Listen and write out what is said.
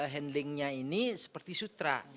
handlingnya ini seperti sutra